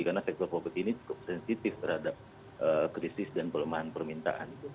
karena sektor properti ini cukup sensitif terhadap krisis dan perumahan permintaan